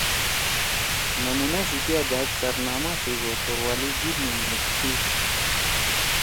نمونا سی کیا دھأک سرناما سی ڙو توروالی جیِب می مھید تھی۔